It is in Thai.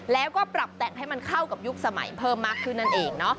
แล้วก็ปรับแต่งให้มันเข้ากับยุคสมัยเพิ่มมากขึ้นนั่นเอง